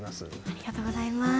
ありがとうございます。